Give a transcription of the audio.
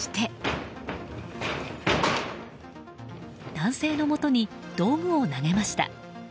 男性のもとに道具を投げました。